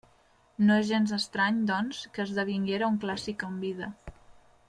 No és gens estrany, doncs, que esdevinguera un clàssic en vida.